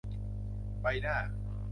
ใบหน้า